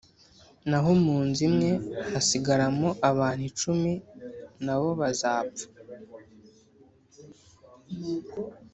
Naho mu nzu imwe hasigaramo abantu icumi, na bo bazapfa.